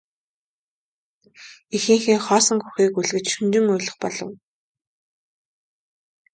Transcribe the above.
Эхийнхээ хоосон хөхийг үлгэж шөнөжин уйлах болов.